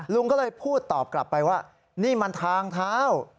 ลุงก็เลยพูดตอบกลับไปว่านี่มันทางเท้า